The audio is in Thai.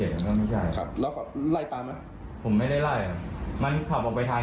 เราอยากบอกอะไรคนที่ขับรถล้มไหม